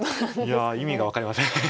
いや意味が分かりません。